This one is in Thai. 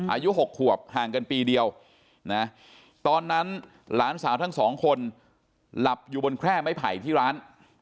อายุ๖ขวบห่างกันปีเดียวนะตอนนั้นหลานสาวทั้งสองคนหลับอยู่บนแคร่ไม้ไผ่ที่ร้าน